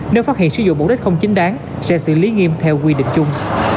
nếu phát hiện sử dụng bổ đất không chính đáng sẽ xử lý nghiêm theo quy định chung